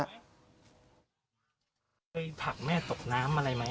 เคยผลักแม่ตกน้ำอะไรไหม